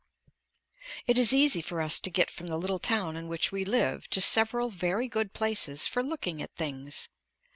It is easy for us to get from the little town in which we live to several very good places for looking at things.